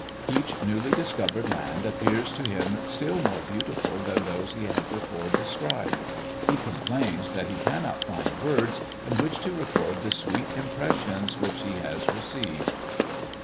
Each newly discovered land appears to him still more beautiful than those he had before described; he complains that he cannot find words in which to record the sweet impressions which he has received.